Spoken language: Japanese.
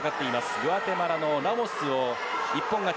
グアテマラのラモスを一本勝ち。